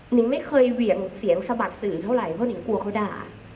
นิงไม่เคยเหวี่ยงเสียงสะบัดสื่อเท่าไหร่เพราะนิงกลัวเขาด่า